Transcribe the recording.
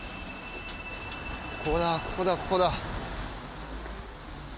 ここだここだここだ。